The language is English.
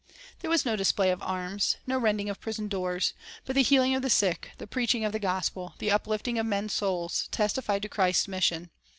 There was no display of arms, no rending of prison doors; but the healing of the sick, the preaching of the gospel, the uplifting of men's souls, testified to Christ's mission.